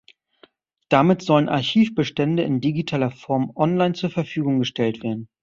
Damit sollen Archivbestände in digitaler Form online zur Verfügung gestellt werden.